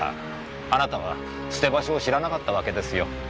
あなたは捨て場所を知らなかったわけですよ。